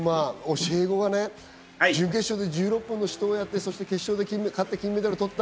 教え子がね、準決勝で１６分の死闘をやって、決勝で勝って金メダルを取った。